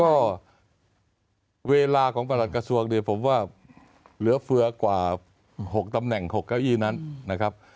ก็เวลาของประหลัดกระทรวงเนี่ยผมว่าเหลือเฟือกว่า๖ตำแหน่ง๖เก้าอี้นั้นนะครับ